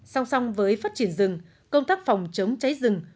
song song với phát triển rừng công tác phòng chống cháy rừng